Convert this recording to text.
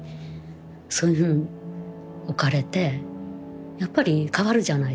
そういう置かれてやっぱり変わるじゃないですか人って。